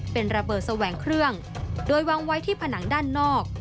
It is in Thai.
เป็นระเบิดแสวงเครื่องโดยวางไว้ที่ผนังด้านนอก